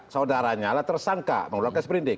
saudaranya lah tersangka mengulangkan seberindik